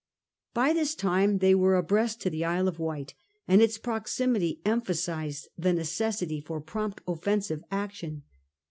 By this time they were abreast of the Isle of Wight, and its proximity emphasized the necessity for prompt offensive action.